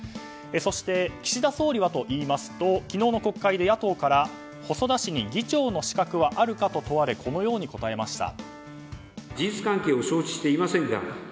そして、岸田総理はと言いますと昨日の国会で野党から細田氏に議長の資格はあるかと問われこのように答えました。